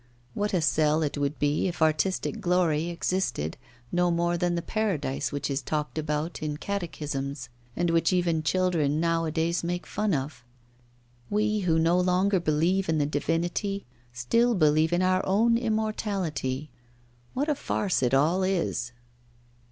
What a sell it would be if artistic glory existed no more than the Paradise which is talked about in catechisms and which even children nowadays make fun of! We, who no longer believe in the Divinity, still believe in our own immortality. What a farce it all is!